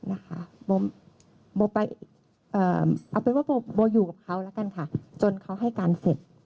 เอาเป็นว่าโบอยู่กับเขาแล้วกันค่ะจนเขาให้การเสร็จ